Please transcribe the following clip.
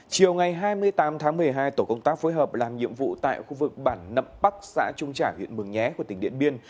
chiều ngày hai mươi tám tháng một mươi hai tổ công tác phối hợp làm nhiệm vụ tại khu vực bản nậm bắc xã trung trả huyện mường nhé của tỉnh điện biên